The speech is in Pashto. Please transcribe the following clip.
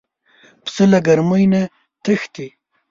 پسه له ګرمۍ نه تښتي.